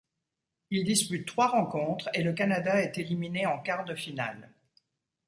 Il dispute trois rencontres et le Canada est éliminé en quart de finale.